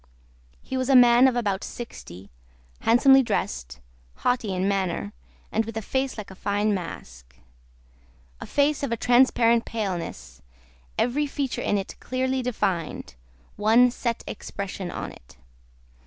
He was a man of about sixty, handsomely dressed, haughty in manner, and with a face like a fine mask. A face of a transparent paleness; every feature in it clearly defined; one set expression on it.